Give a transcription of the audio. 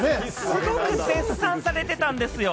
すごく絶賛されてたんですよ。